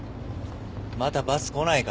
まだバス来ないから。